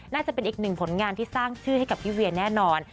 น่าจะเป็นอีกหนึ่งผลงานที่สร้างชื่อให้กับพี่เวียแน่นอน